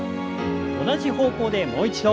同じ方向でもう一度。